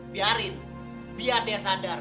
biarin biar dia sadar